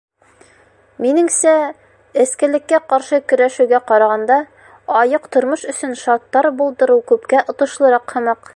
Минеңсә, эскелеккә ҡаршы көрәшеүгә ҡарағанда, айыҡ тормош өсөн шарттар булдырыу күпкә отошлораҡ һымаҡ.